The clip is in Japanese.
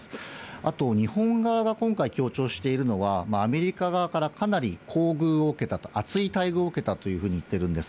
あと日本側が今回強調しているのは、アメリカ側からかなり厚遇を受けたと、あつい待遇を受けたというふうに言ってるんです。